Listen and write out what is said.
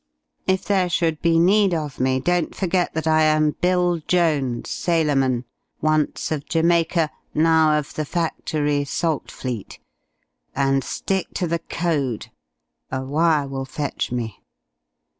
"If there should be need of me, don't forget that I am Bill Jones, sailorman, once of Jamaica, now of the Factory, Saltfleet. And stick to the code. A wire will fetch me."